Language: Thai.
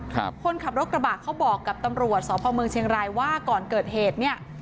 คนขับรถกระบะเขาบอกกับตำรวจสพเมืองเชียงรายว่าก่อนเกิดเหตุเนี่ย